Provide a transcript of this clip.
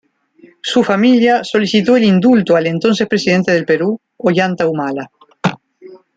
Su familia solicitó el indulto al entonces presidente del Perú, Ollanta Humala.